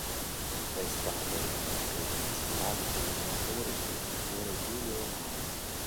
È stato uno dei principali collaboratori del pittore Giulio Romano.